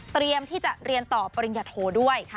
เตรียมที่จะเรียนต่อปริญญาโทด้วย